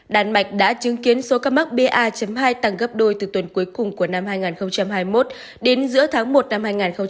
đan mạch đã chứng kiến số ca mắc ba hai tăng gấp đôi từ tuần cuối cùng của năm hai nghìn hai mươi một đến giữa tháng một năm hai nghìn hai mươi